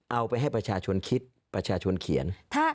เอาไปให้ประชาชนคิดประชาชนเขียน